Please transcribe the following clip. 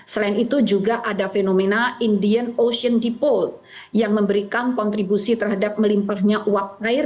selain itu juga ada fenomena indian ocean depot yang memberikan kontribusi terhadap melimpahnya uap air